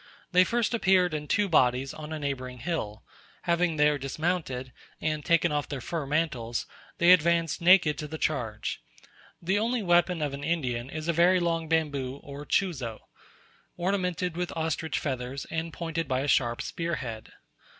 They first appeared in two bodies on a neighbouring hill; having there dismounted, and taken off their fur mantles, they advanced naked to the charge. The only weapon of an Indian is a very long bamboo or chuzo, ornamented with ostrich feathers, and pointed by a sharp spearhead.